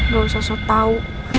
gak usah usah tau